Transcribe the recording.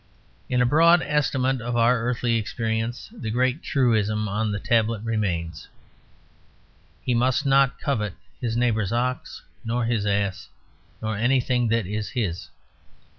In a broad estimate of our earthly experience, the great truism on the tablet remains: he must not covet his neighbour's ox nor his ass nor anything that is his.